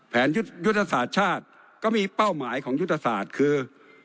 ยุทธศาสตร์ชาติก็มีเป้าหมายของยุทธศาสตร์คือ